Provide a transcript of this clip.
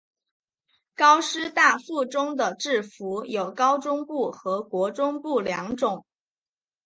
高师大附中的制服有高中部和国中部两种。